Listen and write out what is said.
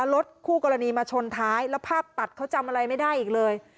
รถคู่กรณีมาชนท้ายแล้วภาพตัดเขาจำอะไรไม่ได้อีกเลย